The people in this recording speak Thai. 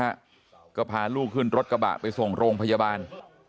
แล้วก็พาลูกขึ้นรถกระบะไปส่งโรงพยาบาล